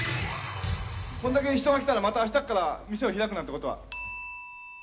こんだけ人が来たら、またあしたから店を開くなんてことは？